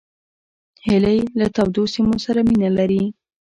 هیلۍ له تودو سیمو سره مینه لري